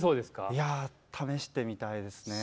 いや試してみたいですね。